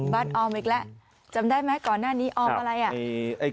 ออมอีกแล้วจำได้ไหมก่อนหน้านี้ออมอะไรอ่ะ